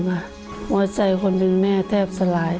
หัวใจคนเป็นแม่แทบสลาย